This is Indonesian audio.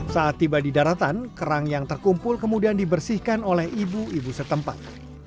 saat tiba di daratan kerang yang terkumpul kemudian dibersihkan oleh ibu ibu setempat